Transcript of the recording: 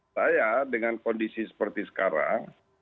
saya dengan kondisi seperti sekarang